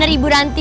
bener ibu ranti